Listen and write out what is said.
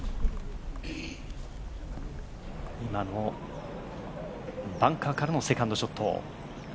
今のバンカーからのセカンドショット。